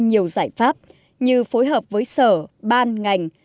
nhiều giải pháp như phối hợp với sở ban ngành